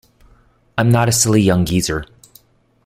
I'm not a silly young geezer.